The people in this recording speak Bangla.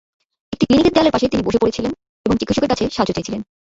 একটি ক্লিনিকের দেয়ালের পাশে তিনি বসে পড়েছিলেন এবং চিকিৎসকের কাছে সাহায্য চেয়েছিলেন।